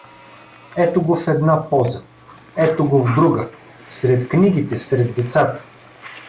Ето го в една поза, ето го в друга, сред книгите, сред децата.